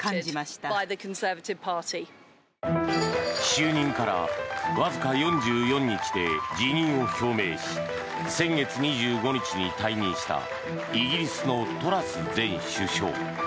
就任からわずか４４日で辞任を表明し先月２５日に退任したイギリスのトラス前首相。